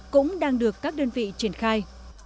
cũng đang được các đơn vị triển khai